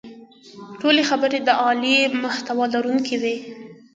ټولې خبرې د عالي محتوا لرونکې وې.